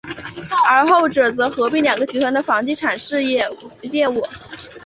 而后者则合并两个集团的房地产业务。